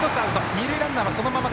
二塁ランナーはそのまま。